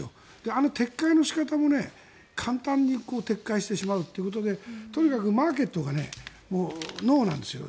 あの撤回の仕方も、簡単に撤回してしまうっていうことでとにかくマーケットがＮＯなんですよ。